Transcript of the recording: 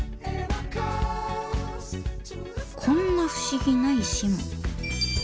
こんな不思議な石も。